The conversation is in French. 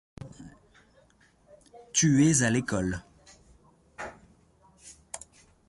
Tu es à l’école.